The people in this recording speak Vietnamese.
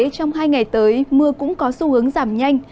trong hai ngày tới mưa cũng có xu hướng giảm nhanh